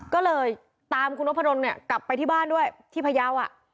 ก็เลยตามคุณนพดลเนี่ยกลับไปที่บ้านด้วยที่พยาว